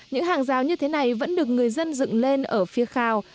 những hàng rào như thế này vẫn được người dân dựng lên ở phía khao